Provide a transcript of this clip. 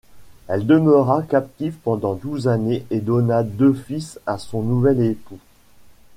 Elle demeura captive pendant douze années et donna deux fils à son nouvel époux.